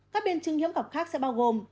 các biên chứng hiếm cọc khác sẽ bao gồm